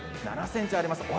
７ｃｍあります。